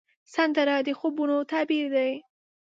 سندره د خوبونو تعبیر دی